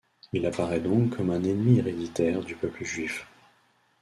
Il apparait donc comme un ennemi héréditaire du peuple juif.